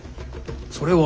それは。